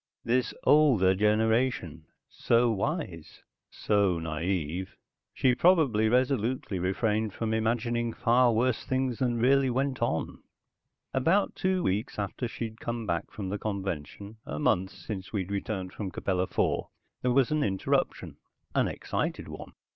This older generation so wise, so naive. She probably resolutely refrained from imagining far worse things than really went on. About two weeks after she'd come back from the convention, a month since we returned from Capella IV, there was an interruption, an excited one.